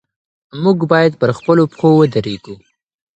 موږ بايد پر خپلو پښو ودرېږو.